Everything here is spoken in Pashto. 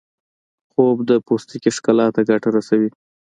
خوب د پوستکي ښکلا ته ګټه رسوي